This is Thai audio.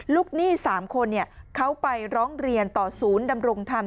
หนี้๓คนเขาไปร้องเรียนต่อศูนย์ดำรงธรรม